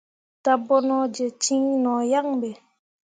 Dabonoje cin no yan be.